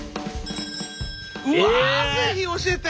うわ是非教えて！